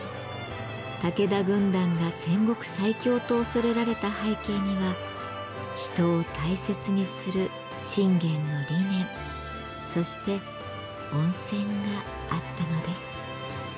武田軍団が戦国最強と恐れられた背景には人を大切にする信玄の理念そして温泉があったのです。